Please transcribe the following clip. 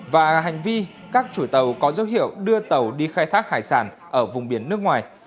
và hành vi các chủ tàu có dấu hiệu đưa tàu đi khai thác hải sản ở vùng biển nước ngoài